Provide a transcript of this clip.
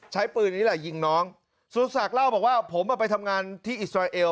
ใช้ปืนนี้แหละยิงน้องสุศักดิ์เล่าบอกว่าผมไปทำงานที่อิสราเอล